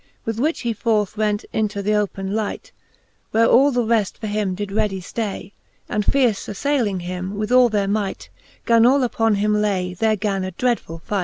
With which he forth went into th' open light : Where all the refl; for him did readie flay, And fierce aflayling him, with all their might: Gan all upon him lay : there gan a dreadfull fight